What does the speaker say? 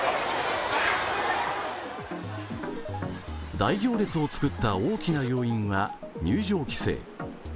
大行列を作った大きな要因は入場規制。